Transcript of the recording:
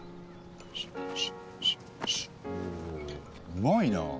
うまいな！